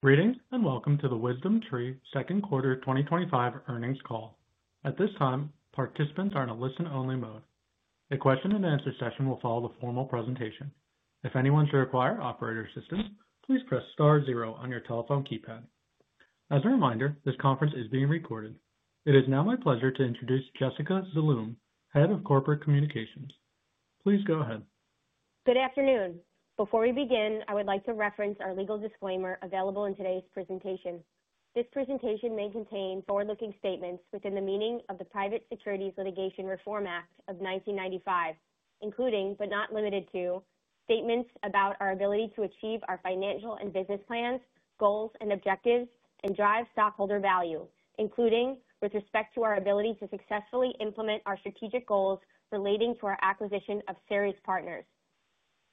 Greetings and welcome to the WisdomTree Second Quarter 2025 earnings call. At this time participants are in a listen only mode. A question and answer session will follow the formal presentation. If anyone should require operator assistance, please press Star zero on your telephone keypad. As a reminder, this conference is being recorded. It is now my pleasure to introduce Jessica Zaloom, Head of Corporate Communications. Please go ahead. Good afternoon. Before we begin, I would like to reference our legal disclaimer available in today's presentation. This presentation may contain forward-looking statements within the meaning of the Private Securities Litigation Reform Act of 1995, including, but not limited to, statements about our ability to achieve our financial and business plans, goals and objectives and drive stockholder value, including with respect to our ability to successfully implement our strategic goals relating to our acquisition of Cirrus Partners.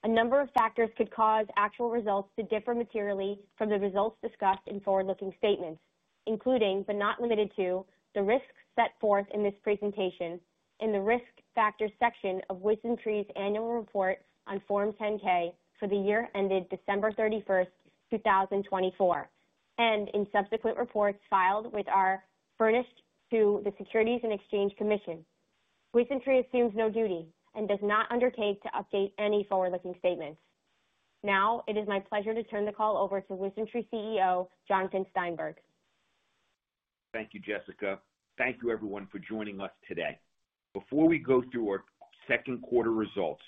A number of factors could cause actual results to differ materially from the results discussed in forward-looking statements, including but not limited to the risks set forth in this presentation. In the Risk Factors section of WisdomTree's Annual Report on Form 10-K for the year ended December 31, 2024 and in subsequent reports filed with or furnished to the Securities and Exchange Commission, WisdomTree assumes no duty and does not undertake to update any forward-looking statements. Now it is my pleasure to turn the call over to WisdomTree CEO Jonathan Steinberg. Thank you, Jessica. Thank you, everyone, for joining us today. Before we go to our second quarter results,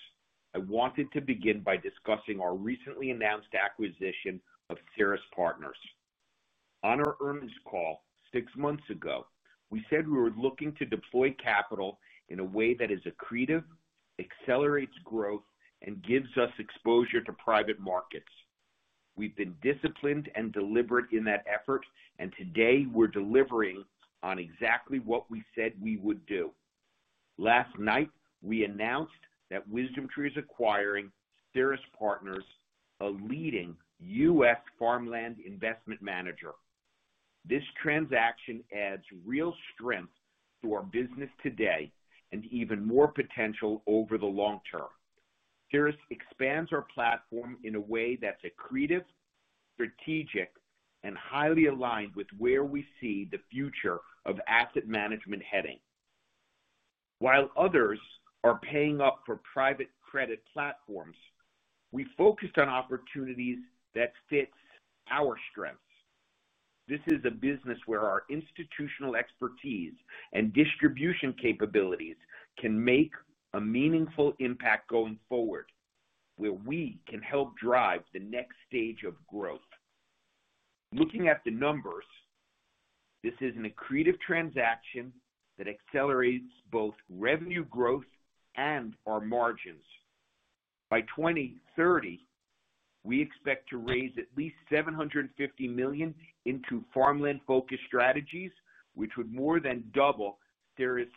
I wanted to begin by discussing our recently announced acquisition of Cirrus Partners. On our earnings call six months ago, we said we were looking to deploy capital in a way that is accretive, accelerates growth, and gives us exposure to private markets. We've been disciplined and deliberate in that effort, and today we're delivering on exactly what we said we would do. Last night we announced that WisdomTree is acquiring Cirrus Partners, a leading U.S. farmland investment manager. This transaction adds real strength to our business today and even more potential over the long term. Cirrus expands our platform in a way that's accretive, strategic, and highly aligned with where we see the future of asset management heading. While others are paying up for private credit platforms, we focused on opportunities that fit our strengths. This is a business where our institutional expertise and distribution capabilities can make a meaningful impact going forward, where we can help drive the next stage of growth. Looking at the numbers, this is an accretive transaction that accelerates both revenue growth and our margins. By 2030, we expect to raise at least $750 million into farmland-focused strategies, which would more than double Cirrus'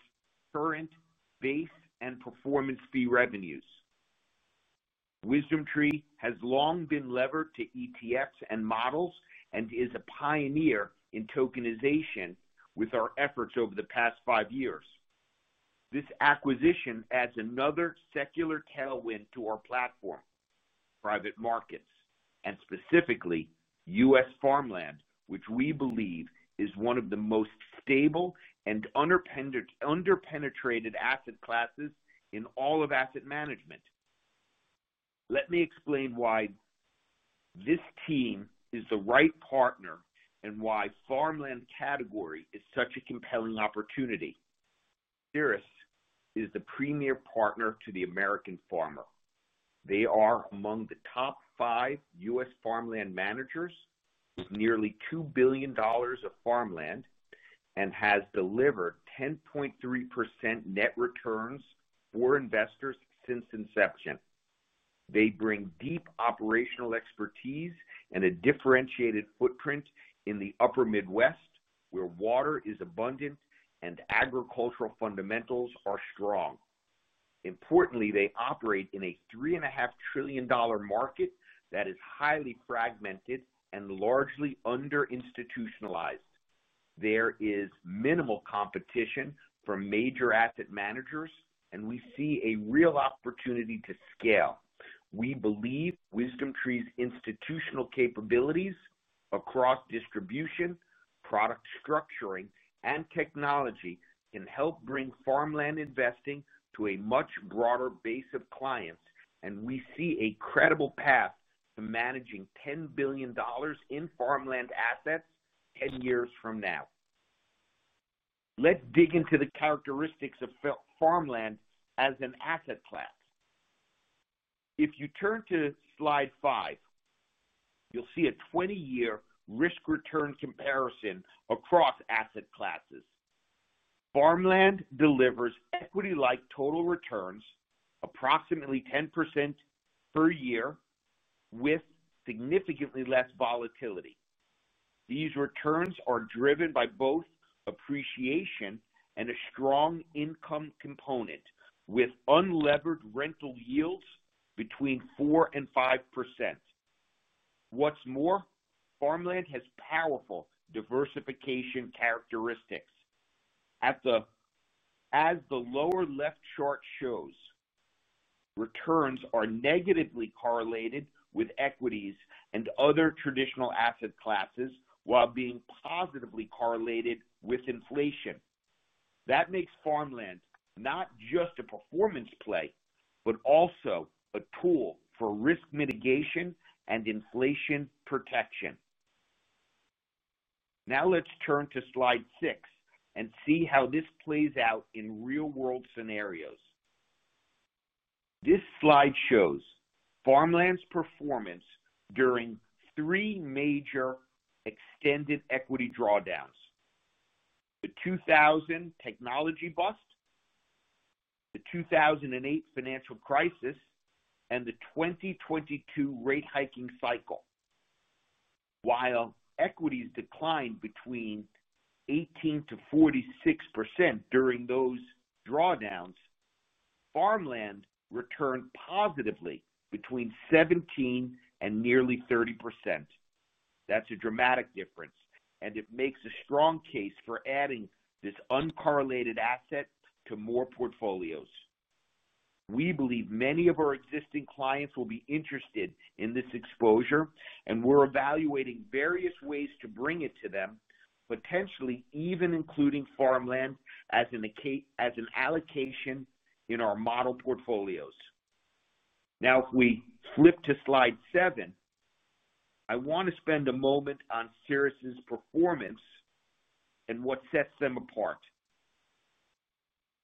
current base and performance fee revenues. WisdomTree has long been levered to ETFs and models and is a pioneer in tokenization. With our efforts over the past five years, this acquisition adds another secular tailwind to our platform, private markets, and specifically U.S. farmland, which we believe is one of the most stable and underpenetrated asset classes in all of asset management. Let me explain why this team is the right partner and why the farmland category is such a compelling opportunity. Cirrus is the premier partner to the American farmer. They are among the top five U.S. farmland managers with nearly $2 billion of farmland and have delivered 10.3% net returns for investors since inception. They bring deep operational expertise and a differentiated footprint in the upper Midwest, where water is abundant and agricultural fundamentals are strong. Importantly, they operate in a $3.5 trillion market that is highly fragmented and largely under-institutionalized. There is minimal competition from major asset managers, and we see a real opportunity to scale. We believe WisdomTree's institutional capabilities across distribution, product structuring, and technology can help bring farmland investing to a much broader base of clients. We see a credible path to managing $10 billion in farmland assets 10 years from now. Let's dig into the characteristics of farmland as an asset class. If you turn to slide 5, you'll see a 20-year risk return comparison across asset classes. Farmland delivers equity-like total returns, approximately 10% per year, with significantly less volatility. These returns are driven by both appreciation and a strong income component, with unlevered rental yields between 4% and 5%. What's more, farmland has powerful diversification characteristics. As the lower left chart shows, returns are negatively correlated with equities and other traditional asset classes while being positively correlated with inflation. That makes farmland not just a performance play, but also a tool for risk mitigation and inflation protection. Now let's turn to slide 6 and see how this plays out in real world scenarios. This slide shows farmland's performance during three major extended equity drawdowns: the 2000 technology bust, the 2008 financial crisis, and the 2022 rate hiking cycle. While equities declined between 18%-46% during those drawdowns, farmland returned positively between 17% and nearly 30%. That's a dramatic difference, and it makes a strong case for adding this uncorrelated asset to more portfolios. We believe many of our existing clients will be interested in this exposure, and we're evaluating various ways to bring it to them, potentially even including farmland as an allocation in our model portfolios. Now, if we flip to slide 7, I want to spend a moment on Cirrus Partners' performance and what sets them apart.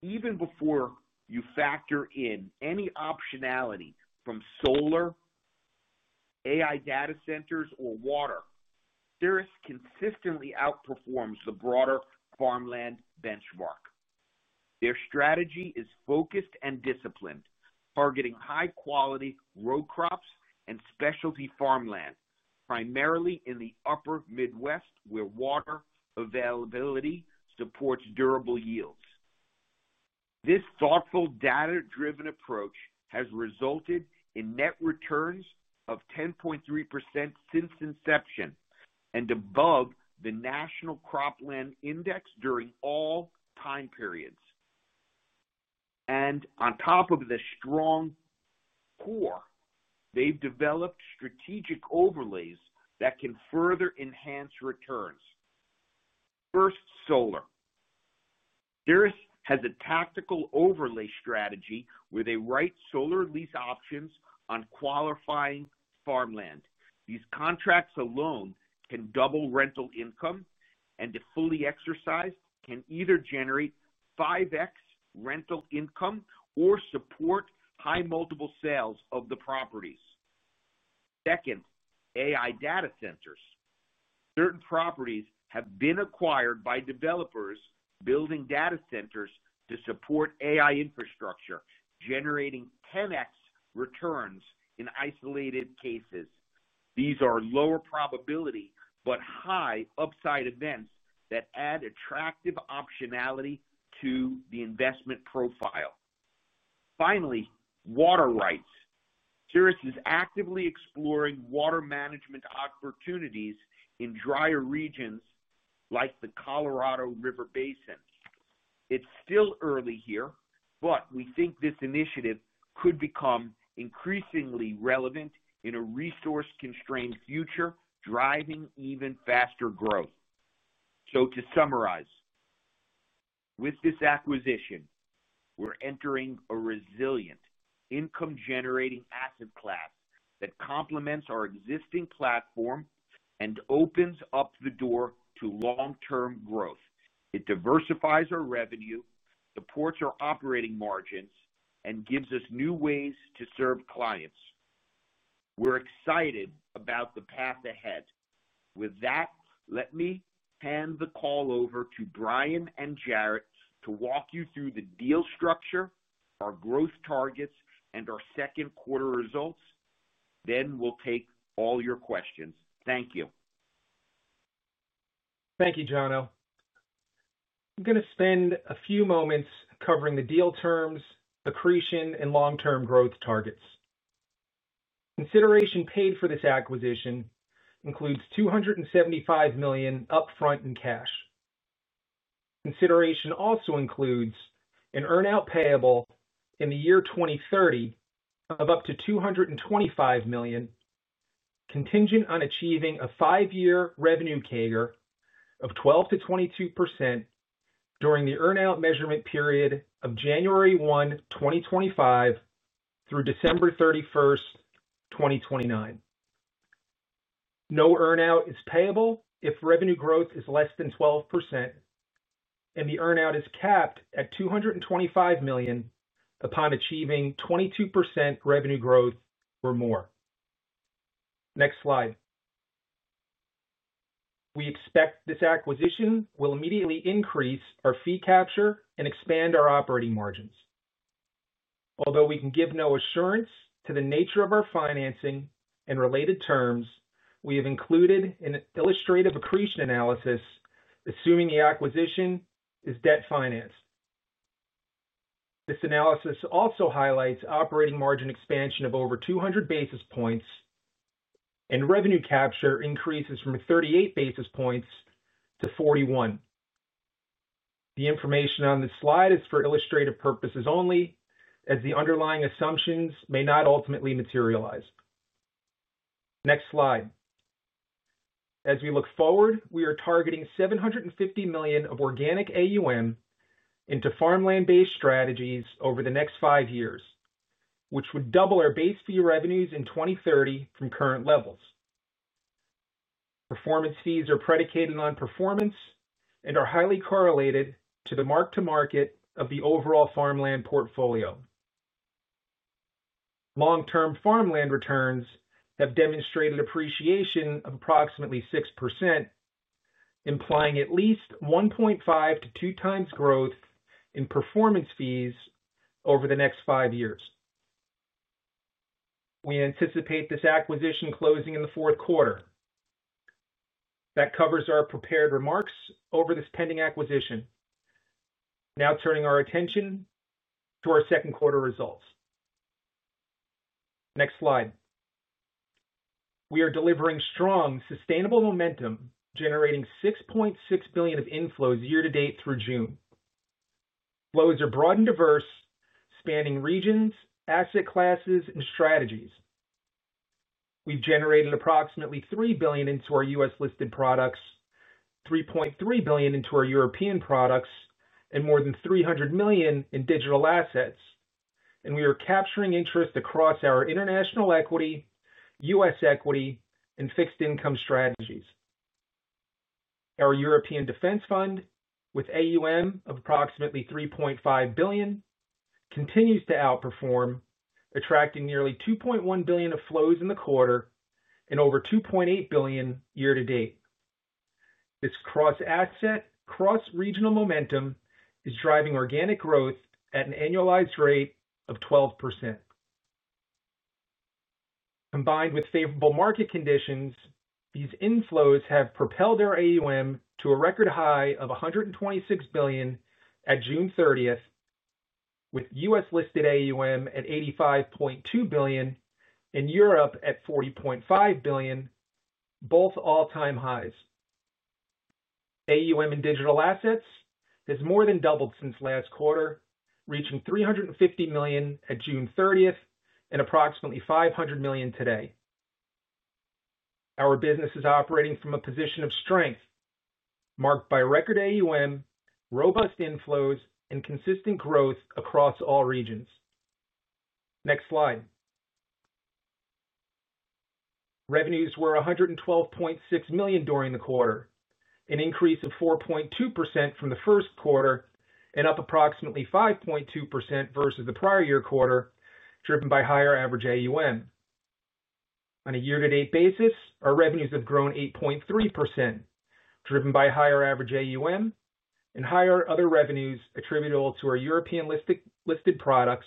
Even before you factor in any optionality from solar, AI data centers, or water, Cirrus Partners consistently outperforms the broader farmland benchmark. Their strategy is focused and disciplined, targeting high-quality row crops and specialty farmland, primarily in the upper Midwest where water availability supports durable yields. This thoughtful, data-driven approach has resulted in net returns of 10.3% since inception and above the national Cropland Index during all time periods. On top of the strong core, they've developed strategic overlays that can further enhance returns. First, Cirrus Partners has a tactical overlay strategy where they write solar lease options on qualifying farmland. These contracts alone can double rental income, and if fully exercised, can either generate 5x rental income or support high multiple sales of the properties. Second, AI data centers: certain properties have been acquired by developers building data centers to support AI infrastructure, generating 10x returns. In isolated cases, these are lower probability but high upside events that add attractive optionality to the investment profile. Finally, water rights: Cirrus is actively exploring water management opportunities in drier regions like the Colorado River Basin. It's still early here, but we think this initiative could become increasingly relevant in a resource-constrained future, driving even faster growth. To summarize, with this acquisition, we're entering a resilient income-generating asset class that complements our existing platform and opens up the door to long-term growth. It diversifies our revenue, supports our operating margins, and gives us new ways to serve clients. We're excited about the path ahead. With that, let me hand the call over to Bryan and Jarrett to walk you through the deal structure, our growth targets, and our second quarter results. We'll take all your questions. Thank you. Thank you Jonathan. I'm going to spend a few moments covering the deal terms, accretion, and long-term growth targets. Consideration paid for this acquisition includes $275 million upfront in cash. Consideration also includes an earnout payable in the year 2030 of up to $225 million contingent on achieving a five-year revenue CAGR of 12% to 22% during the earnout measurement period of January 1, 2025 through December 31, 2029. No earnout is payable if revenue growth is less than 12%, and the earnout is capped at $225 million upon achieving 22% revenue growth or more. Next slide. We expect this acquisition will immediately increase our fee capture and expand our operating margins. Although we can give no assurance, the nature of our financing and related terms, we have included an illustrative accretion analysis assuming the acquisition is debt financed. This analysis also highlights operating margin expansion of over 200 basis points and revenue capture increases from 38 basis points to 41. The information on this slide is for illustrative purposes only, as the underlying assumptions may not ultimately materialize. Next slide. As we look forward, we are targeting $750 million of organic AUM into farmland-based strategies over the next five years, which would double our base fee revenues in 2030 from current levels. Performance fees are predicated on performance and are highly correlated to the mark-to-market of the overall farmland portfolio. Long-term farmland returns have demonstrated appreciation of approximately 6%, implying at least 1.5 to 2 times growth in performance fees over the next five years. We anticipate this acquisition closing in the fourth quarter. That covers our prepared remarks over this pending acquisition. Now turning our attention to our second quarter results. Next slide. We are delivering strong, sustainable momentum, generating $6.6 billion of inflows year to date through June. Flows are broad and diverse, spanning regions, asset classes, and strategies. We've generated approximately $3 billion into our U.S. listed products, $3.3 billion into our European products, and more than $300 million in digital assets, and we are capturing interest across our international equity, U.S. equity, and fixed income strategies. Our European Defense Fund with AUM of approximately $3.5 billion continues to outperform, attracting nearly $2.1 billion of flows in the quarter and over $2.8 billion year to date. This cross asset cross regional momentum is driving organic growth at an annualized rate of 12%. Combined with favorable market conditions, these inflows have propelled our AUM to a record high of $126 billion at June 30 with U.S. listed AUM at $85.2 billion and Europe at $40.5 billion, both all time highs. AUM in digital assets has more than doubled since last quarter, reaching $350 million at June 30 and approximately $500 million today. Our business is operating from a position of strength marked by record AUM, robust inflows, and consistent growth across all regions. Next slide. Revenues were $112.6 million during the quarter, an increase of 4.2% from the first quarter and up approximately 5.2% versus the prior year quarter, driven by higher average AUM. On a year to date basis, our revenues have grown 8.3%, driven by higher average AUM and higher other revenues attributable to our European listed products,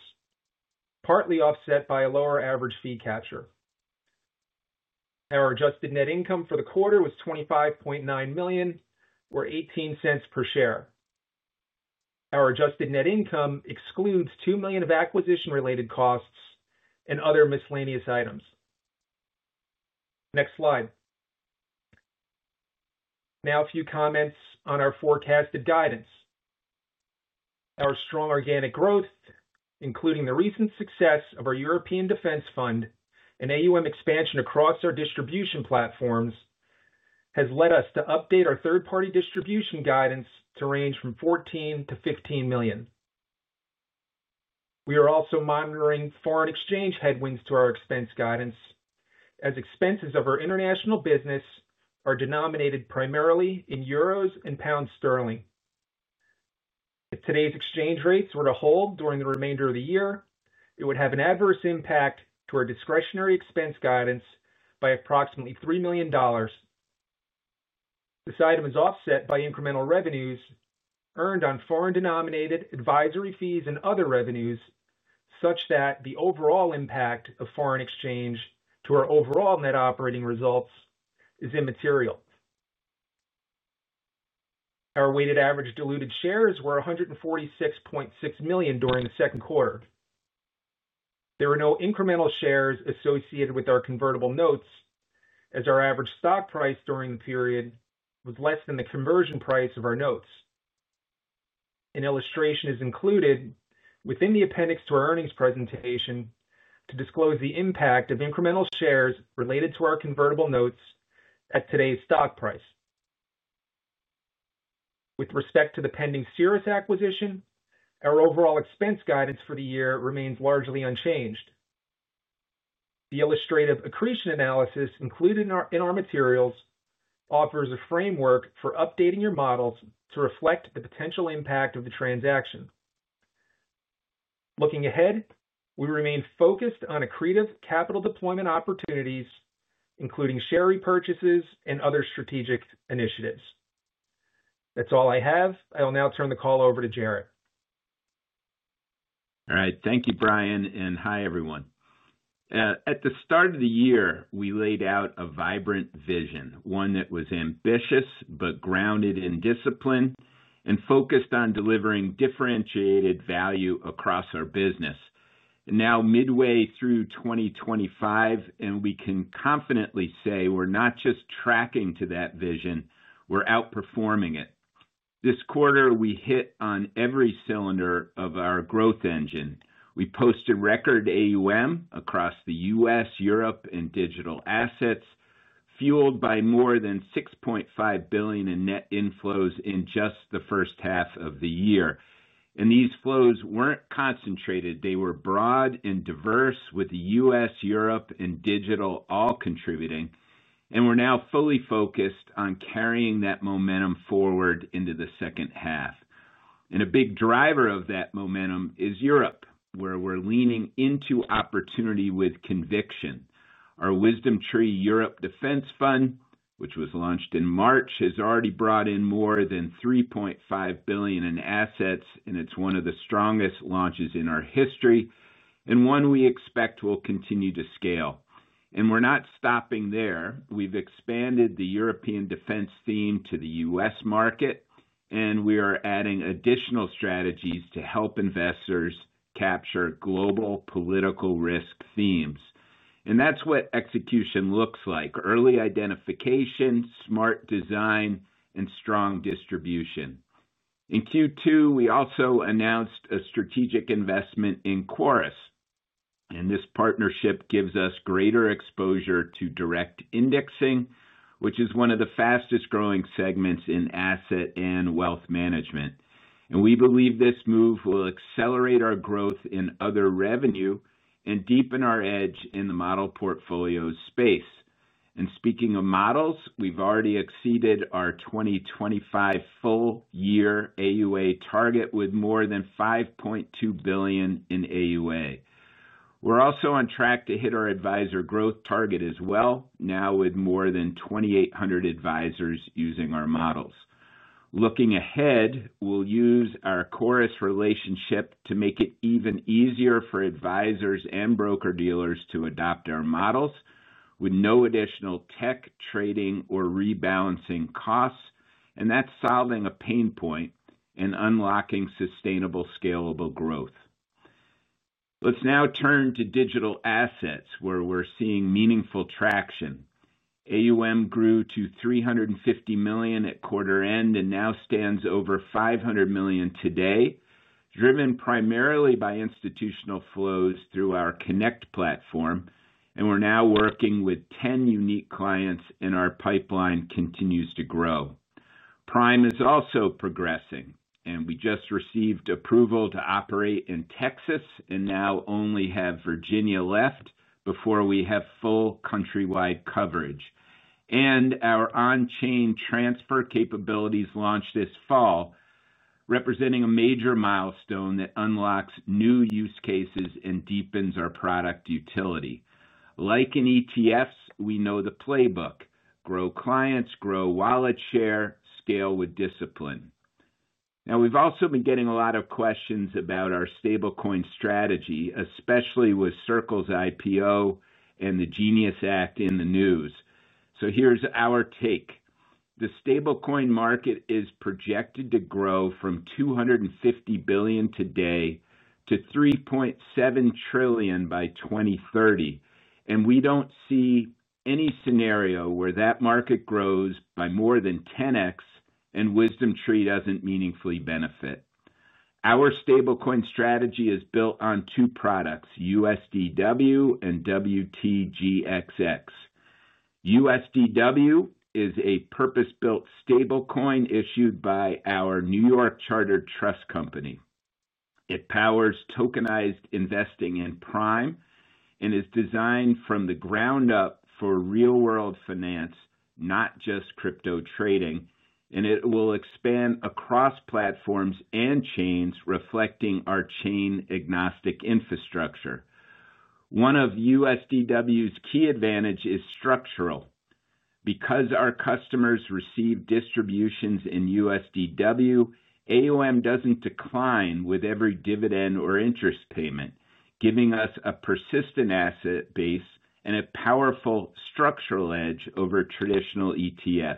partly offset by a lower average fee capture. Our adjusted net income for the quarter was $25.9 million or $0.18 per share. Our adjusted net income excludes $2 million of acquisition related costs and other miscellaneous items. Next slide. Now a few comments on our forecasted guidance. Our strong organic growth, including the recent success of our European Defense Fund and AUM expansion across our distribution platforms, has led us to update our third party distribution guidance to range from $14 million to $15 million. We are also monitoring foreign exchange headwinds to our expense guidance as expenses of our international business are denominated primarily in euros and pounds sterling. If today's exchange rates were to hold during the remainder of the year, it would have an adverse impact to our discretionary expense guidance by approximately $3 million. This item is offset by incremental revenues earned on foreign denominated advisory fees and other revenues such that the overall impact of foreign exchange to our overall net operating results is immaterial. Our weighted average diluted shares were 146.6 million during the second quarter. There were no incremental shares associated with our convertible notes as our average stock price during the period was less than the conversion price of our notes. An illustration is included within the appendix to our earnings presentation to disclose the impact of incremental shares related to our convertible notes at today's stock price. With respect to the pending Cirrus Partners acquisition, our overall expense guidance for the year remains largely unchanged. The illustrative accretion analysis included in our materials offers a framework for updating your models to reflect the potential impact of the transaction. Looking ahead, we remain focused on accretive capital deployment opportunities, including share repurchases and other strategic initiatives. That's all I have. I will now turn the call over to Jarrett. All right, thank you Bryan and hi everyone. At the start of the year, we laid out a vibrant vision, one that was ambitious but grounded in discipline and focused on delivering differentiated value across our business. Now, midway through 2025, we can confidently say we're not just tracking to that vision, we're outperforming it. This quarter we hit on every cylinder of our growth engine. We posted record AUM across the U.S., Europe, and assets fueled by more than $6.5 billion in net inflows in just the first half of the year. These flows weren't concentrated. They were broad and diverse, with U.S., Europe, and digital all contributing. We're now fully focused on carrying that momentum forward into the second half. A big driver of that momentum is Europe, where we're leaning into opportunity with conviction. Our WisdomTree European Defense Fund, which was launched in March, has already brought in more than $3.5 billion in assets and it's one of the strongest launches in our history and one we expect will continue to scale. We're not stopping there. We've expanded the European defense theme to the U.S. market and we are adding additional strategies to help investors capture global political risk themes. That's what execution looks like: early identification, smart design, and strong distribution. In Q2, we also announced a strategic investment in Quorus and this partnership gives us greater exposure to direct indexing, which is one of the fastest growing segments in asset and wealth management. We believe this move will accelerate our growth in other revenue and deepen our edge in the model portfolio space. Speaking of models, we've already exceeded our 2025 full year AUM target with more than $5.2 billion in AUM. We're also on track to hit our advisor growth target as well, now with more than 2,800 advisors using our models. Looking ahead, we'll use our Quorus relationship to make it even easier for advisors and broker dealers to adopt our models with no additional tech, trading, or rebalancing costs. That's solving a pain point and unlocking sustainable, scalable growth. Let's now turn to digital assets where we're seeing meaningful traction. AUM grew to $350 million at quarter end and now stands over $500 million today, driven primarily by institutional flows through our Connect platform. We're now working with 10 unique clients and our pipeline continues to grow. Prime is also progressing, and we just received approval to operate in Texas and now only have Virginia left before we have full countrywide coverage. Our on-chain transfer capabilities launch this fall, representing a major milestone that unlocks new use cases and deepens our product utility. Like in ETFs, we know the playbook: grow clients, grow wallet share, scale with discipline. We have also been getting a lot of questions about our stablecoin strategy, especially with Circle's IPO and the GENIUS Act in the news. Here's our take. The stablecoin market is projected to grow from $250 billion today to $3.7 trillion by 2030, and we don't see any scenario where that market grows by more than 10x and WisdomTree doesn't meaningfully benefit. Our stablecoin strategy is built on two products, USDW and WTGXX. USDW is a purpose-built stablecoin issued by our New York Chartered Trust Company. It powers tokenized investing in Prime and is designed from the ground up for real world finance, not just crypto trading, and it will expand across platforms and chains, reflecting our chain-agnostic infrastructure. One of USDW's key advantages is structural because our customers receive distributions in USDW. AUM doesn't decline with every dividend or interest payment, giving us a persistent asset base and a powerful structural edge over traditional ETFs.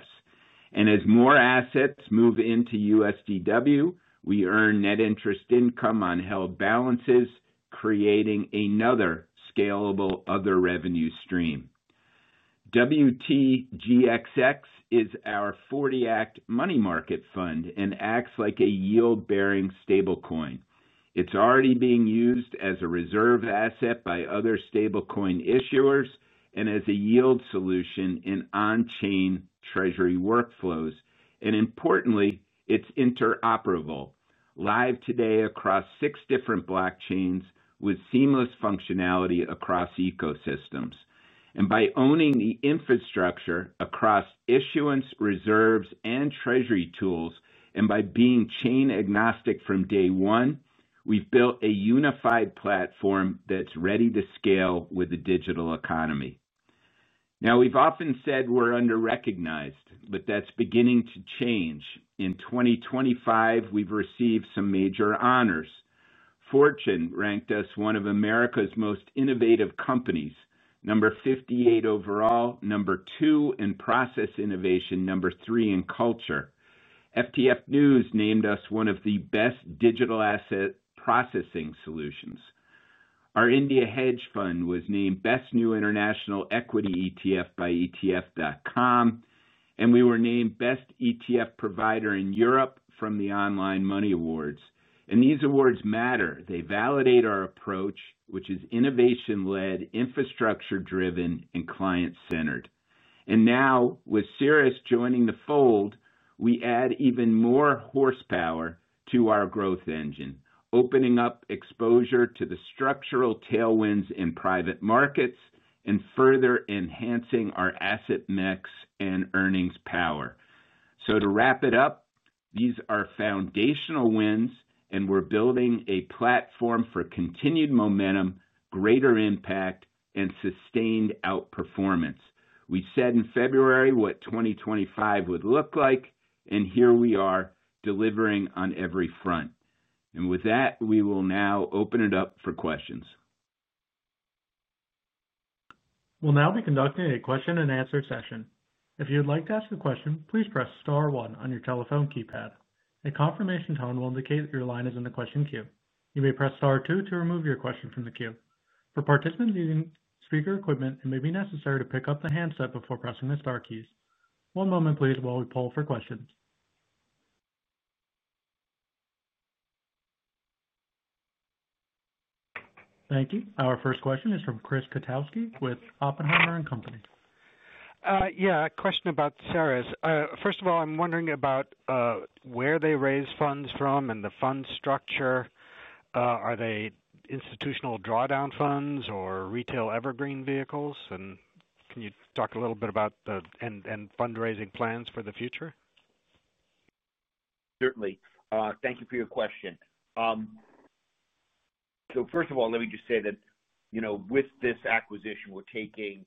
As more assets move into USDW, we earn net interest income on held balances, creating another scalable revenue stream. WTGXX is our 1940 Act money market fund and acts like a yield-bearing stablecoin. It's already being used as a reserve asset by other stablecoin issuers and as a yield solution in on-chain treasury workflows. Importantly, it's interoperable, live today across six different blockchains with seamless functionality across ecosystems. By owning the infrastructure across issuance, reserves, and treasury tools, and by being chain-agnostic from day one, we've built a unified platform that's ready to scale with the digital economy. We have often said we're under-recognized, but that's beginning to change. In 2025, we've received some major honors. Fortune ranked us one of America's most innovative companies, number 58 overall, number 2 in process innovation, number 3 in culture. FTF News named us one of the best digital asset processing solutions. Our India hedge fund was named Best New International Equity ETF by etf.com, and we were named Best ETF Provider in Europe from the Online Money Awards. These awards matter. They validate our approach, which is innovation-led, infrastructure-driven, and client-centered. Now with Cirrus joining the fold, we add even more horsepower to our growth engine, opening up exposure to the structural tailwinds in private markets and further enhancing our asset mix and earnings power. To wrap it up, these are foundational wins and we're building a platform for continued momentum, greater impact, and sustained outperformance. We said in February what 2025 would look like, and here we are delivering on every front. With that, we will now open it up for questions. We'll now be conducting a question and answer session. If you would like to ask a question, please press star one on your telephone keypad. A confirmation tone will indicate your line is in the question queue. You may press star two to remove your question from the queue. For participants using speaker equipment, it may be necessary to pick up the handset before pressing the star keys. One moment please, while we poll for questions. Thank you. Our first question is from Chris Kotowski with Oppenheimer & Co. Yeah, question about Cirrus. First of all, I'm wondering about where they raise funds from and the fund structure. Are they institutional drawdown funds or retail evergreen vehicles? Can you talk a little bit about the fundraising plans for the future? Certainly. Thank you for your question. First of all, let me just say that with this acquisition, we're taking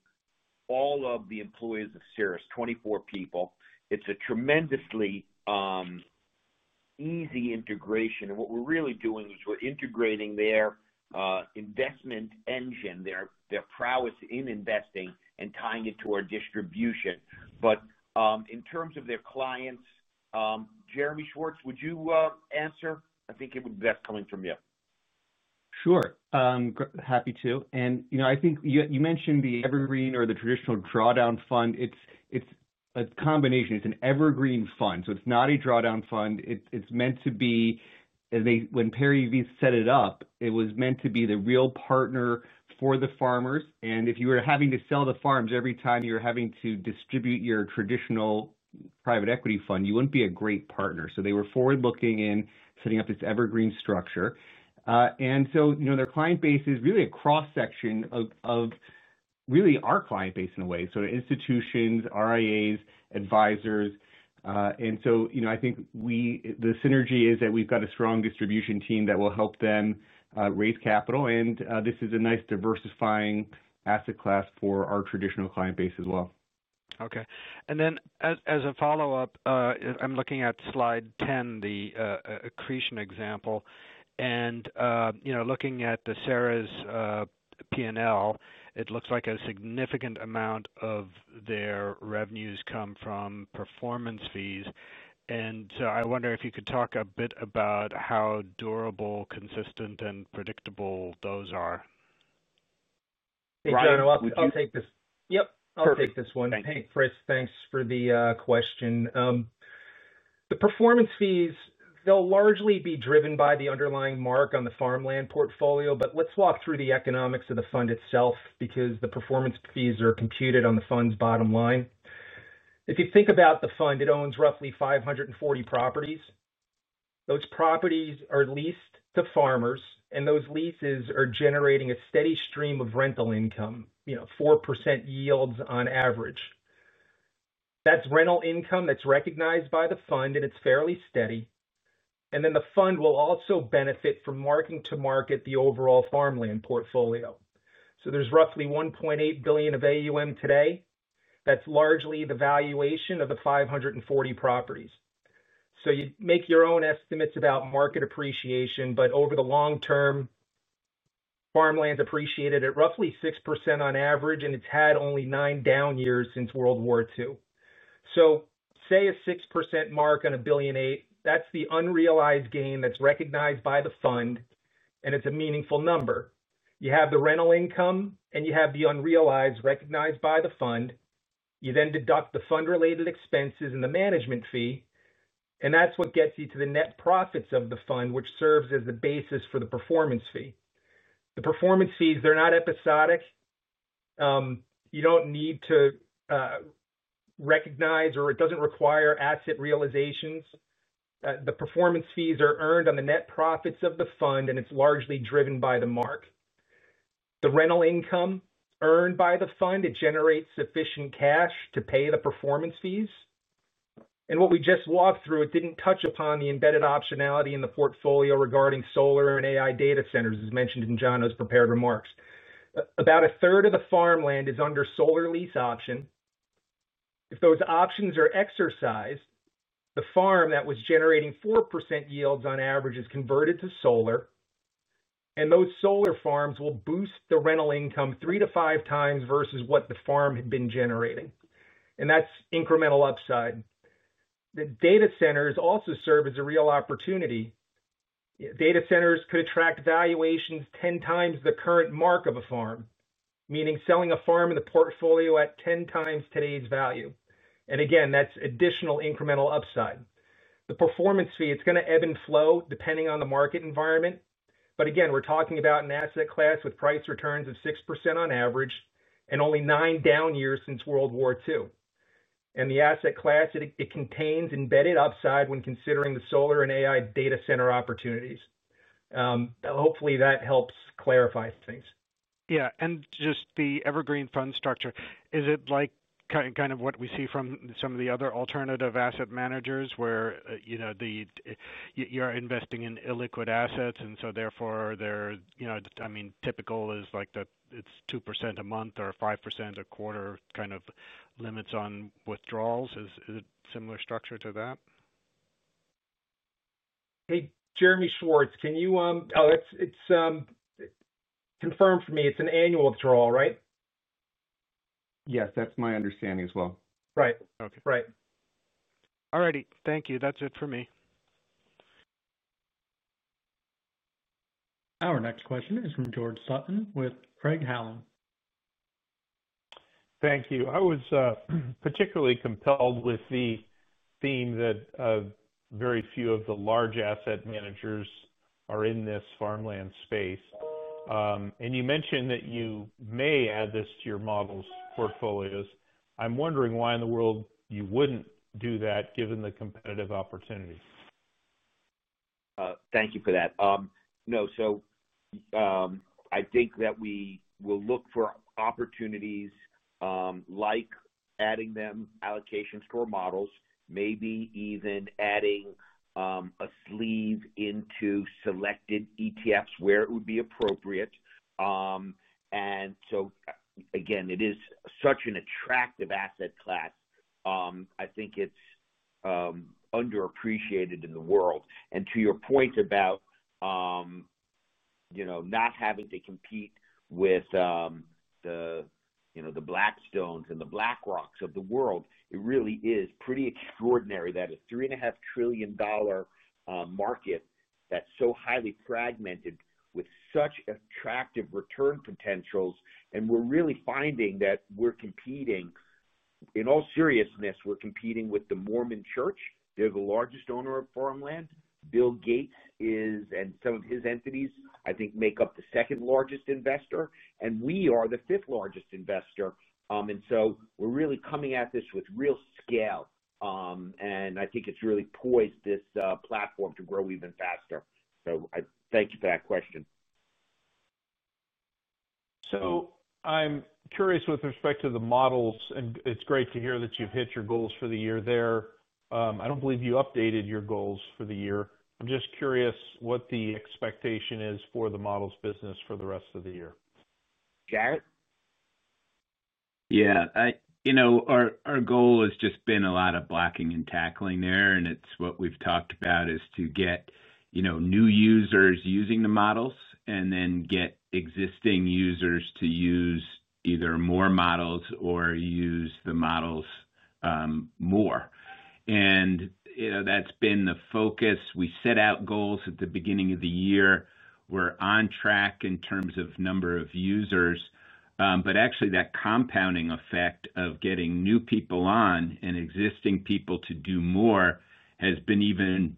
all of the employees of Cirrus, 24 people. It's a tremendously easy integration. What we're really doing is we're integrating their investment engine, their prowess in investing, and tying it to our distribution. In terms of their clients, Jeremy Schwartz, would you answer? I think it would be best coming from you. Sure, happy to. I think you mentioned the evergreen or the traditional drawdown fund. It's a combination. It's an evergreen fund, so it's not a drawdown fund. It's meant to be. When Pierre V set it up, it was meant to be the real partner for the farmers. If you were having to sell the farms every time you're having to distribute your traditional private equity fund, you wouldn't be a great partner. They were forward looking in setting up this evergreen structure. Their client base is really a cross section of really our client base in a way. Institutions, RIAs, advisors. I think the synergy is that we've got a strong distribution team that will help them raise capital. This is a nice diversifying asset class for our traditional client base as well. Okay. As a follow up, I'm looking at slide 10, the accretion example. Looking at the Cirrus P&L, it looks like a significant amount of their revenues come from performance fees. I wonder if you could talk a bit about how durable, consistent, and predictable those are. I'll take this. Yep, I'll take this one. Hey, Chris, thanks for the question. The performance fees, they'll largely be driven by the underlying mark on the farmland portfolio. Let's walk through the economics of the fund itself, because the performance fees are computed on the fund's bottom line. If you think about the fund, it owns roughly 540 properties. Those properties are leased to farmers, and those leases are generating a steady stream of rental income. 4% yields on average. That's rental income that's recognized by the fund and it's fairly steady. The fund will also benefit from marking to market the overall farmland portfolio. There's roughly $1.8 billion of AUM today, that's largely the valuation of the 540 properties. You make your own estimates about market appreciation. Over the long term, farmland appreciated at roughly 6% on average and it's had only nine down years since World War II, so say a 6% mark on a billion eight. That's the unrealized gain that's recognized by the fund and it's a meaningful number. You have the rental income and you have the unrealized recognized by the fund. You then deduct the fund related expenses and the management fee, and that's what gets you to the net profits of the fund, which serves as the basis for the performance fee. The performance fees, they're not episodic, you don't need to recognize or it doesn't require asset realizations. The performance fees are earned on the net profits of the fund, and it's largely driven by the mark, the rental income earned by the fund to generate sufficient cash to pay the performance fees. What we just walked through didn't touch upon the embedded optionality in the portfolio. Regarding solar and AI data centers, as mentioned in Jonathan's prepared remarks, about a third of the farmland is under solar lease option. If those options are exercised, the farm that was generating 4% yields on average is converted to solar. Those solar farms will boost the rental income three to five times versus what the farm had been generating, and that's incremental upside. The data centers also serve as a real opportunity. Data centers could attract valuations 10 times the current mark of a farm, meaning selling a farm in the portfolio at 10 times today's value. That's additional incremental upside. The performance fee is going to ebb and flow depending on the market environment. We're talking about an asset class with price returns of 6% on average and only nine down years since World War II. The asset class contains embedded upside when considering the solar and AI data center opportunities. Hopefully that helps clarify things. Yeah, and just the evergreen fund structure, is it like kind of what we see from some of the other alternative asset managers where you're investing in illiquid assets and so therefore they're, you know, I mean typical is like that it's 2% a month or 5% a quarter, kind of limits on withdrawals? Is it similar structure to that? Hey, Jeremy Schwartz, can you. Oh, it's confirmed for me it's an annual withdrawal, right? Yes, that's my understanding as well. Right. Okay. Right. All righty. Thank you. That's it for me. Our next question is from George Sutton with Craig-Hallum. Thank you. I was particularly compelled with the theme that very few of the large asset managers are in this farmland space. You mentioned that you may add this to your model portfolios. I'm wondering why in the world you wouldn't do that, given the competitive opportunities. Thank you for that. No. I think that we will look for opportunities like adding them allocation store models, maybe even adding a sleeve into selected ETFs where it would be appropriate. It is such an attractive asset class. I think it's underappreciated in the world. To your point about not having to compete with the Blackstones and the BlackRocks of the world, it really is pretty extraordinary that a $3.5 trillion market that's so highly fragmented with such attractive return potentials. We're really finding that we're competing, in all seriousness, we're competing with the Mormon Church. They're the largest owner of farmland. Bill Gates is, and some of his entities, I think, make up the second largest investor, and we are the fifth largest investor. We're really coming at this with real scale. I think it's really poised this platform to grow even faster. I thank you for that question. I'm curious with respect to the models, and it's great to hear that you've hit your goals for the year there. I don't believe you updated your goals for the year. I'm just curious what the expectation is for the models business for the rest of the year. Jarrett? Yeah, you know, our goal has just been a lot of blocking and tackling there. What we've talked about is to get new users using the models and then get existing users to use either more models or use the models more. That's been the focus. We set out goals at the beginning of the year. We're on track in terms of number of users. Actually, that compounding effect of getting new people on and existing people to do more has been even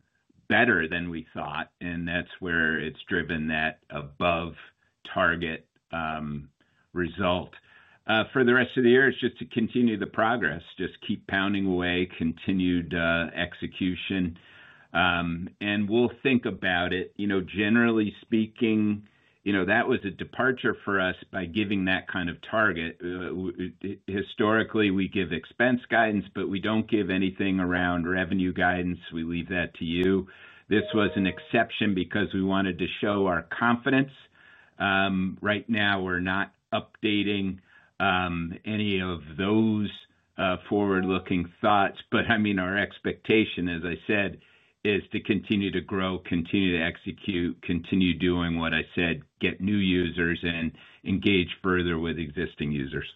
better than we thought. That's where it's driven that above target result. For the rest of the year, it's just to continue the progress, just keep pounding away, continued execution, and we'll think about it. Generally speaking, that was a departure for us by giving that kind of target. Historically, we give expense guidance, but we don't give anything around revenue guidance. We leave that to you. This was an exception because we wanted to show our confidence. Right now we're not updating any of those forward-looking thoughts, but our expectation, as I said, is to continue to grow, continue to execute, continue doing what I said, get new users and engage further with existing users.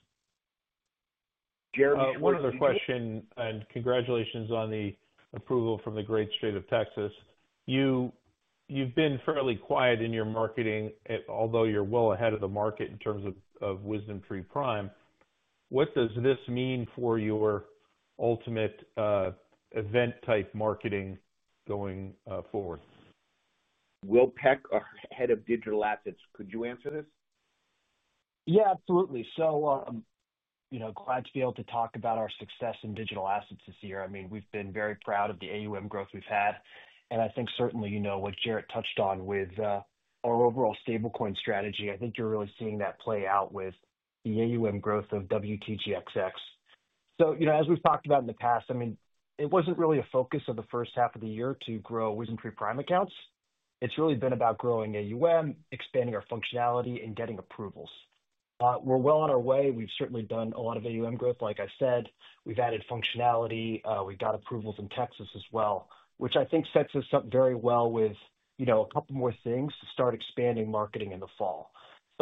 Jeremy, one other question and congratulations on the approval from the great state of Texas. You've been fairly quiet in your marketing, although you're well ahead of the market in terms of WisdomTree Prime. What does this mean for your ultimate event type marketing going forward? Will Peck, our Head of Digital Assets, could you answer this? Yeah, absolutely. Glad to be able to talk about our success in digital assets this year. I mean, we've been very proud of the AUM growth we've had, and I think certainly, you know, what Jarrett touched on with our overall stablecoin strategy, I think you're really seeing that play out with the AUM growth of WTGXX. As we've talked about. In the past, it wasn't really a focus of the first half of the year to grow WisdomTree Prime accounts. It's really been about growing AUM, expanding our functionality, and getting approvals. We're well on our way. We've certainly done a lot of AUM growth. Like I said, we've added functionality. We got approvals in Texas as well, which I think sets us up very well with a couple more things to start expanding marketing in the fall.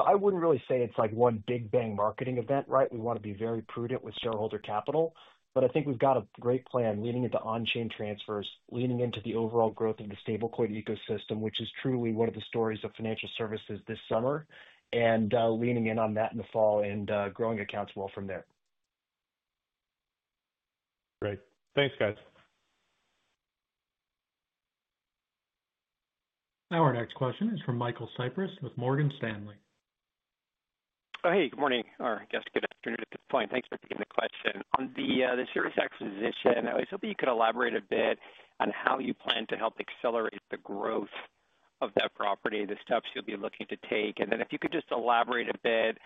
I wouldn't really say it's like one big bang marketing event. Right. We want to be very prudent with shareholder capital, but I think we've got a great plan leading into on-chain transfers, leaning into the overall growth of the stablecoin ecosystem, which is truly one of the stories of financial services this summer, and leaning in on that in the fall and growing accounts. Great. Thanks guys. Now our next question is from Michael Cyprys with Morgan Stanley. Hey, good morning. Or I guess good afternoon at this point. Thanks for taking the question on the Cirrus Partners acquisition. I was hoping you could elaborate. Bit on how you plan to help accelerate the growth of that property, the steps you'll be looking to take. Could you just elaborate? A bit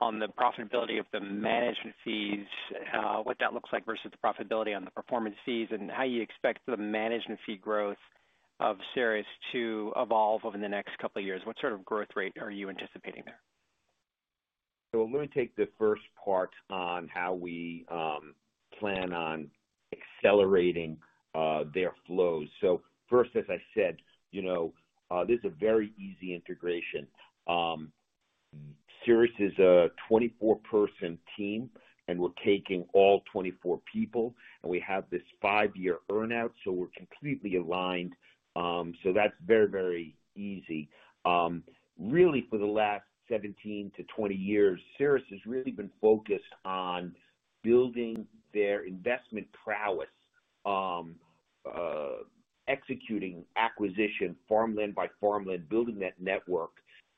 on the profitability of the Management fees, what that looks like versus. The profitability on the performance fees. How you expect the management fee growth? Of Cirrus to evolve over the next couple years. What sort of growth rate are you anticipating there? Let me take the first part on how we plan on accelerating their flows. As I said, this is a very easy integration. Cirrus Partners is a 24 person team and we're taking all 24 people and we have this five year earnout, so we're completely aligned. That's very, very easy really. For the last 17 to 20 years, Cirrus Partners has really been focused on building their investment prowess, executing acquisition farmland by farmland, building that network.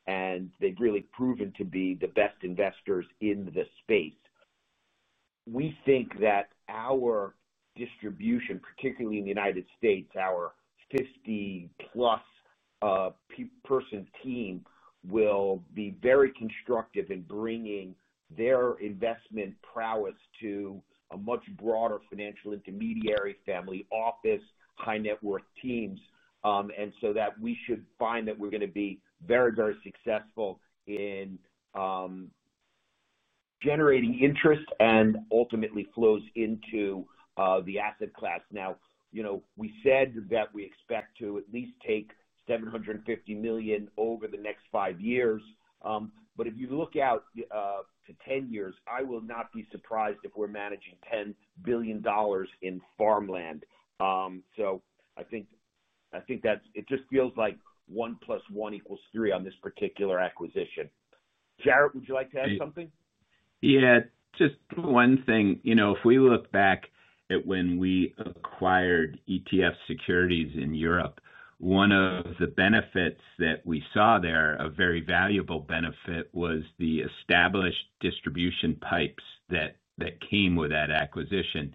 They've really proven to be the best investors in the space. We think that our distribution, particularly in the U.S., our 50 plus person team, will be very constructive in bringing their investment prowess to a much broader financial intermediary, family office, high net worth teams. We should find that we're going to be very, very successful. In. Generating interest and ultimately flows into the asset class. We said that we expect to at least take $750 million over the next five years. If you look out to 10 years, I will not be surprised if we're managing $10 billion in farmland. I think it just feels like one plus one equals three on this particular acquisition. Jarrett, would you like to add something? Yeah, just one thing. If we look back at when we acquired ETF Securities in Europe, one of the benefits that we saw there, a very valuable benefit, was the established distribution pipes that came with that acquisition.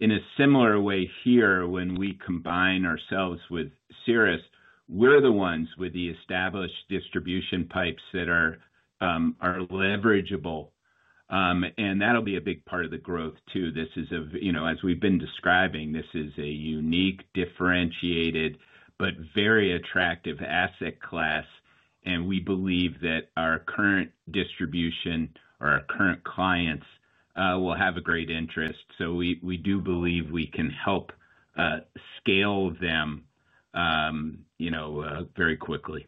In a similar way here, when we combine ourselves with Cirrus Partners, we're the ones with the established distribution pipes that are leverageable, and that'll be a big part of the growth too. This is, as we've been describing, a unique, differentiated but very attractive asset class. We believe that our current distribution or our current clients will have a great interest. We do believe we can help scale them very quickly.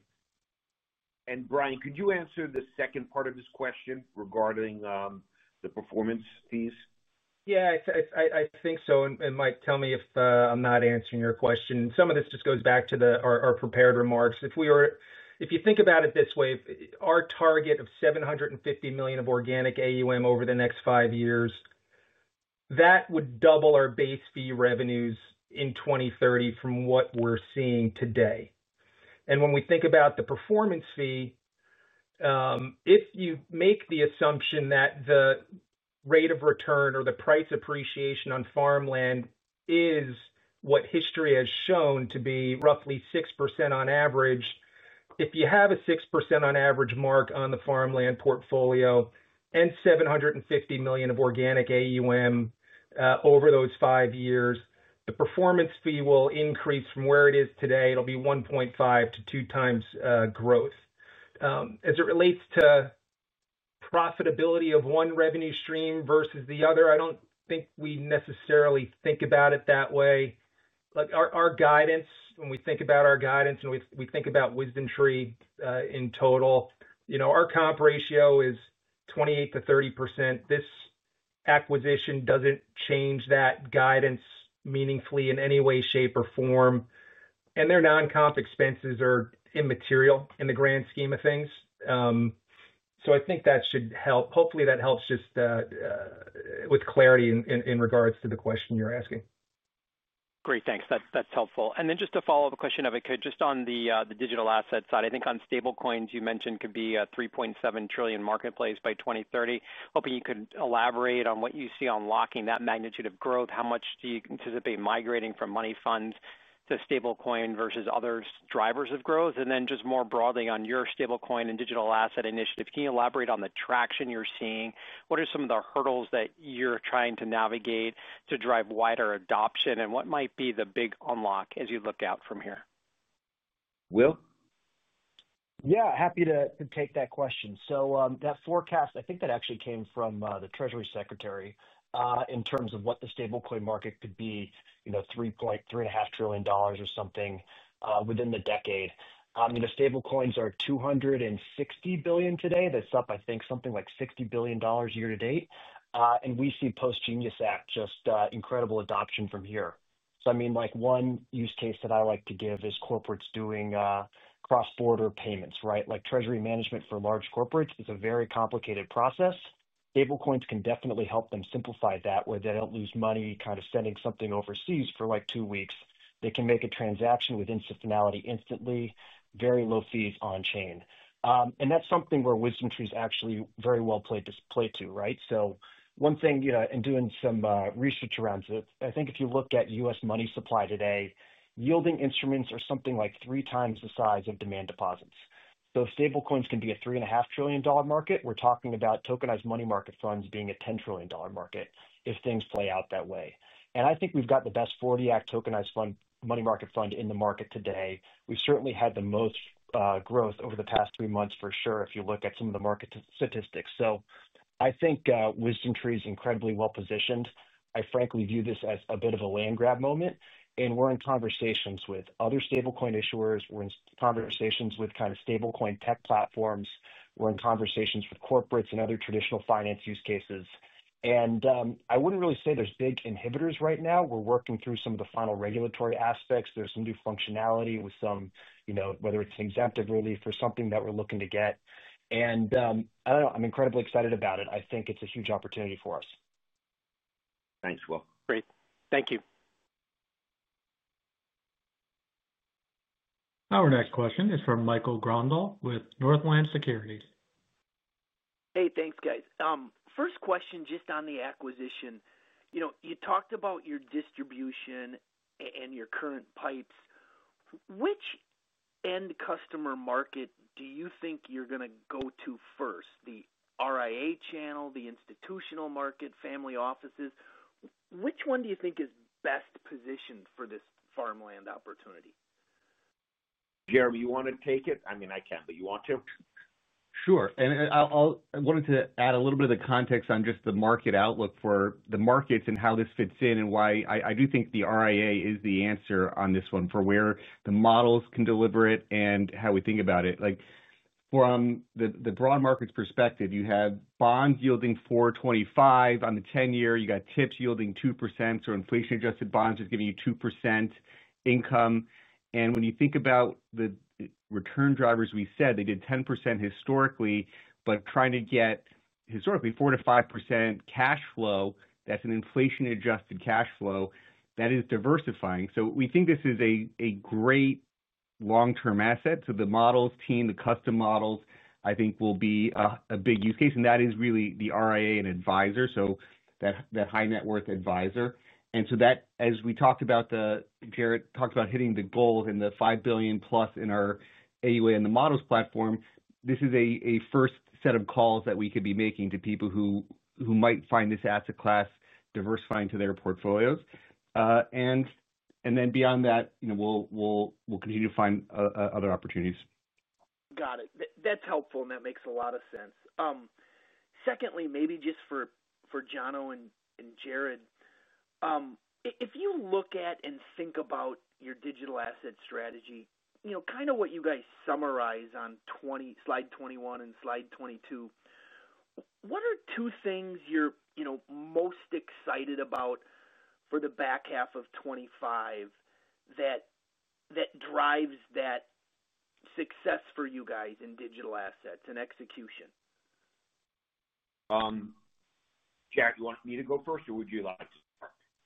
Bryan, could you answer the second part of his question regarding the performance fees? Yeah, I think so. Mike, tell me if I'm not answering your question. Some of this just goes back to our prepared remarks. If you think about it this way, our target of $750 million of organic AUM over the next five years, that would double our base fee revenues in 2030 from what we're seeing today. When we think about the performance fee, if you make the assumption that the rate of return or the price appreciation on farmland is what history has shown to be roughly 6% on average, if you have a 6% on average mark on the farmland portfolio and $750 million of organic AUM over those five years, the performance fee will increase from where it is today. It'll be 1.5 to 2 times growth as it relates to profitability of one revenue stream versus the other. I don't think we necessarily think about it that way, like our guidance. When we think about our guidance and we think about WisdomTree in total, you know our comp ratio is 28%-30%. This acquisition doesn't change that guidance meaningfully in any way, shape, or form. Their non-comp expenses are immaterial in the grand scheme of things. I think that should help. Hopefully that helps just with clarity in regards. To the question you're asking, great, thanks, that's helpful. Just to follow up a question of it could just on the. Digital asset side, I think on stablecoins you mentioned could be $3 trillion marketplace by 2030. Hoping you could elaborate on what you see unlocking that magnitude of growth. How much do you anticipate migrating from money funds to stablecoin versus other drivers of growth? More broadly on your. Stablecoin and digital asset initiative, can you elaborate on the traction you're seeing? What are some of the hurdles? You're trying to navigate to drive wider adoption, and what might be the big unlock as you look out from here? Will, yeah, happy to take that question. That forecast I think actually came from the Treasury Secretary in terms of what the stablecoin market could be, you know, $3.5 trillion or something within the decade. The stablecoins are $260 billion today. That's up, I think, something like $60 billion year to date. We see post-Genius Act just incredible adoption from here. One use case that I like to give is corporates doing cross-border payments, right? Treasury management for large corporates is a very complicated process. Stablecoins can definitely help them simplify that where they don't lose money sending something overseas for like two weeks. They can make a transaction within systemality instantly. Very low fees on chain. That's something where WisdomTree is actually very well positioned to play, too. Doing some research around it, I think if you look at U.S. money supply today, yielding instruments are something like three times the size of demand deposits. Those stablecoins can be a $3.5 trillion market. We're talking about tokenized money market funds being a $10 trillion market if things play out that way. I think we've got the best 1940 Act tokenized fund money market fund in the market today. We've certainly had the most growth over the past three months for sure if you look at some of the market statistics. I think WisdomTree is incredibly well positioned. I frankly view this as a bit of a land grab moment. We're in conversations with other stablecoin issuers. We're in conversations with stablecoin tech platforms. We're in conversations with corporates and other traditional finance use cases. I wouldn't really say there's big inhibitors right now. We're working through some of the final regulatory aspects. There's some new functionality with some, you know, whether it's an exemptive relief or something that we're looking to get. I don't know, I'm incredibly excited about it. I think it's a huge opportunity for us. Thanks, Will. Great, thank you. Our next question is from Mike Grondahl with Northland Securities. Hey, thanks guys. First question, just on the acquisition, you talked about your distribution and your current pipes. Which end customer market do you think you're going to go to first? The RIA channel, the institutional market, family offices. Which one do you think is best positioned for this farmland opportunity? Jeremy, you want to take it? I mean I can, but you want to. Sure, I wanted to add a little bit of the context on just the market outlook for the markets and how this fits in and why I do think the RIA is the answer. This one for where the models can deliver it and how we think about it, like from the broad markets perspective. You had bonds yielding 4.25% on the 10 year. You got TIPS yielding 2%. Inflation adjusted bonds is giving you 2% income. When you think about the return drivers, we said they did 10% historically, but trying to get historically 4 to 5% cash flow, that's an inflation adjusted cash flow that is diversifying. We think this is a great long term assets of the models team. The custom models I think will be a big use case and that is really the RIA and advisor, so that high net worth advisor and. As we talked about the. Jarrett talked about hitting the gold in the $5 billion plus in our AUM and the models platform. This is a first set of calls that we could be making to people who might find this asset class diversifying to their portfolios. Then beyond that we'll continue to find other opportunities. Got it. That's helpful and that makes a lot of sense. Secondly, maybe just for Jonathan and Jarrett, if you look at and think about your digital asset strategy, kind of what. You guys summarize on slide 21 and slide 22. What are two things you're most excited about for the back half of 2025 that drives that success for you guys in digital assets and execution? Jarrett, you want me to go first or would you like to?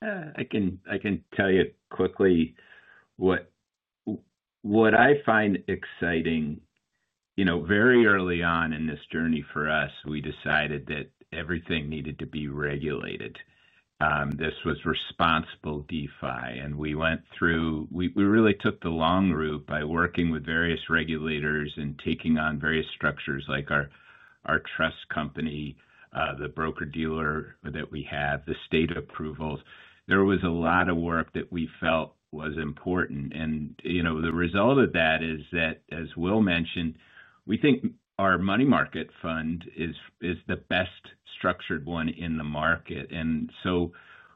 I can tell you quickly what I find exciting. Very early on in this journey for us, we decided that everything needed to be regulated. This was responsible DeFi. We really took the long route by working with various regulators and taking on various structures like our trust company, the broker dealer that we have, the state approvals. There was a lot of work that we felt was important. The result of that is that, as Will mentioned, we think our money market fund is the best structured one in the market.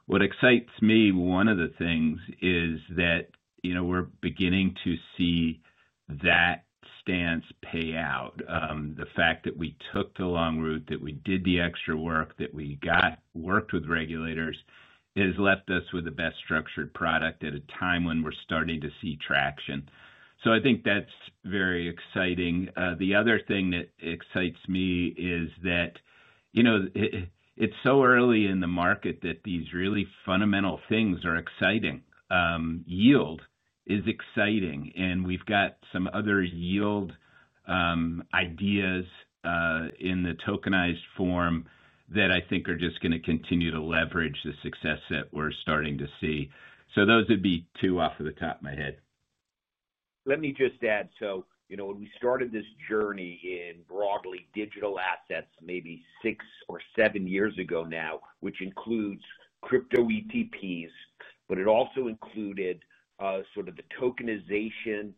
What excites me, one of the things is that we're beginning to see that stance pay out. The fact that we took the long route that we did, the extra work that we got working with regulators, has left us with the best structured product at a time when we're starting to see traction. I think that's very exciting. The other thing that excites me is that it's so early in the market that these really fundamental things are exciting. Yield is exciting. We've got some other yield ideas in the tokenized form that I think are just going to continue to leverage the success that we're starting to see. Those would be two off of the top of my head, let me just add. You know, when we started this journey in broadly digital assets maybe six or seven years ago now, which includes crypto ETPs, but it also included the tokenization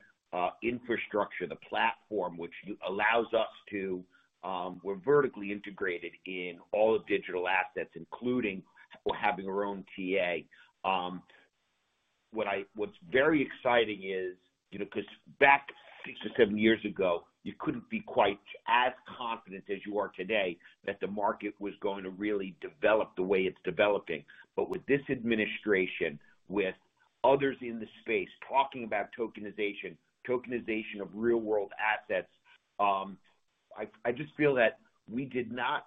infrastructure, the platform which allows us to, we're vertically integrated in all of digital assets, including having our own TA. What's very exciting is, back six or seven years ago, you couldn't be quite as confident as you are today that the market was going to really develop the way it's developing. With this administration, with others in the space talking about tokenization, tokenization of real world assets, I just feel that we did not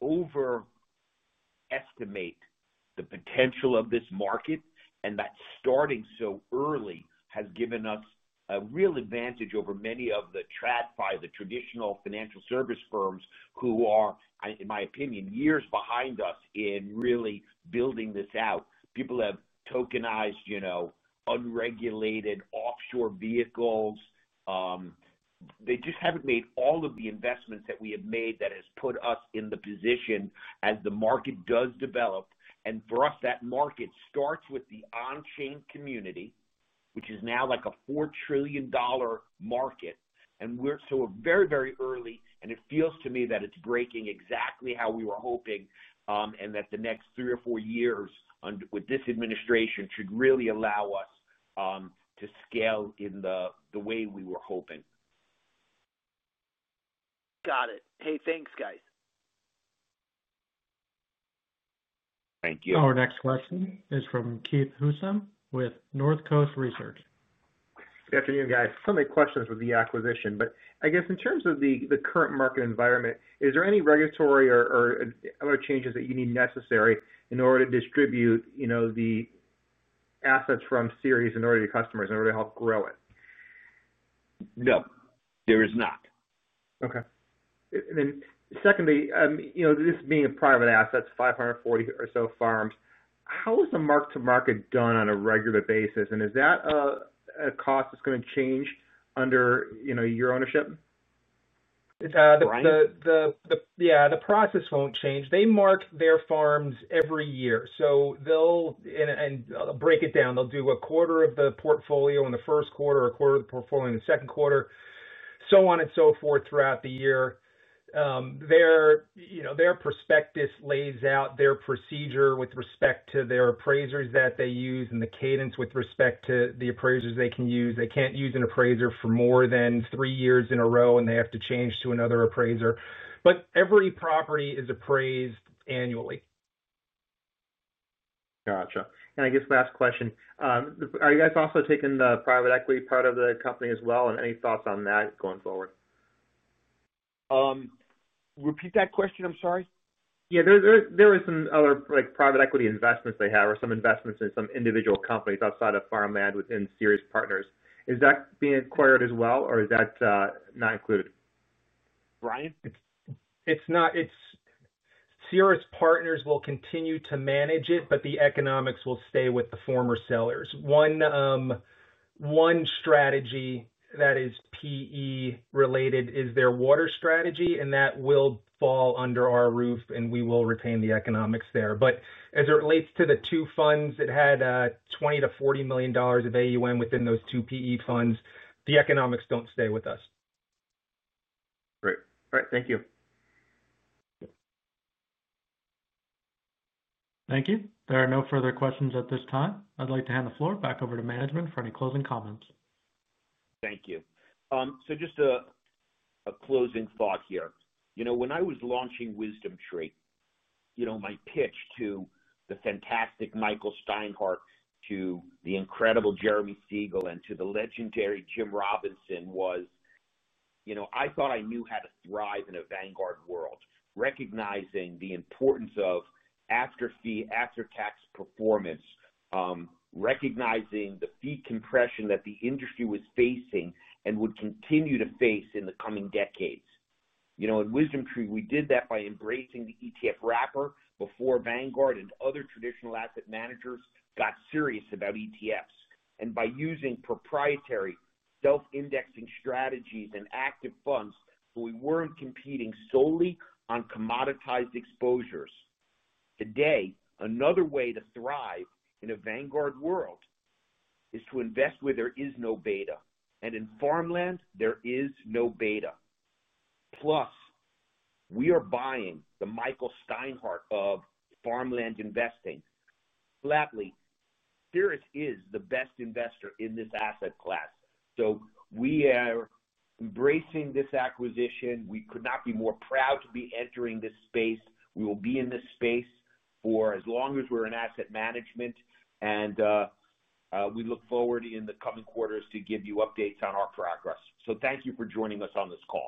overestimate the potential of this market and that starting so early has given us a real advantage over many of the TradFi, the traditional financial service firms, who are, in my opinion, years behind us in really building this out. People have tokenized unregulated offshore vehicles. They just haven't made all of the investments that we have made. That has put us in the position as the market does develop. For us, that market starts with the on chain community, which is now like a $4 trillion market. We're so very, very early. It feels to me that it's breaking exactly how we were hoping and that the next three or four years with this administration should really allow us to scale in the way we were hoping. Got it. Hey, thanks, guys. Thank you. Our next question is from Keith Housum with Northcoast Research. Good afternoon, guys. So many questions with the acquisition, but I guess in terms of the current market environment, is there any regulatory or other changes that you need necessary in order to distribute the assets from Cirrus Partners in order to customers in order to help grow it? No, there is not. Okay, then secondly, you know, this being a private asset, 540 or so farms, how is the mark-to-market done on a regular basis? Is that a cost that's going to change under your ownership? The process won't change. They mark their farms every year. They'll break it down and do a quarter of the portfolio in the first quarter, a quarter of the portfolio in the second quarter, so on and so forth throughout the year. Their prospectus lays out their procedure with respect to the appraisers that they use and the cadence with respect to the appraisers they can use. They can't use an appraiser for more than three years in a row and they have to change to another appraiser. Every property is appraised annually. Gotcha. I guess, last question. Are you guys also taking the private equity part of the company as well? Any thoughts on that going forward? Repeat that question. I'm sorry. Yeah, there are some other, like private equity investments they have or some investments in some individual companies outside of farmland within Cirrus Partners, is that being acquired as well or is that not included? Bryan? It's not. Cirrus Partners will continue to manage it, but the economics will stay with the former sellers. One strategy that is PE related is their water strategy, and that will fall under our roof and we will retain the economics there. As it relates to the two funds that had $20 million-$40 million of AUM within those two PE funds, the economics don't stay with us. Great. All right, thank you. Thank you. There are no further questions at this time. I'd like to hand the floor back over to management for any closing comments. Thank you. Just a closing thought here, you know, when I was launching WisdomTree, my pitch to the fantastic Michael Steinhardt, to the incredible Jeremy Siegel, and to the legendary Jim Robinson was, I thought I knew how to thrive in a Vanguard world. Recognizing the importance of after-fee, after-tax performance, recognizing the fee compression that the industry was facing and would continue to face in the coming decades. In WisdomTree, we did that by embracing the ETF wrapper before Vanguard and other traditional asset managers got serious about ETFs, and by using proprietary self-indexing strategies and active funds, we weren't competing solely on commoditized exposures. Today, another way to thrive in a Vanguard world is to invest where there is no beta, and in farmland there is no beta. Plus, we are buying the Michael Steinhardt of farmland investing. Flatly, Cirrus is the best investor in this asset class. We are embracing this acquisition. We could not be more proud to be entering this space. We will be in this space for as long as we're in asset management. We look forward in the coming quarters to give you updates on our progress. Thank you for joining us on this call.